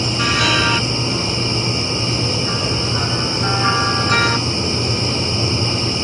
催乳藤为夹竹桃科醉魂藤属的植物。